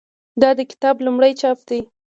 دا د کتاب لومړی چاپ دی.